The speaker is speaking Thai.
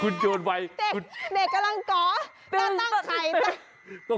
โต๊ะเด็กกำลังกอต้าตั้งไข่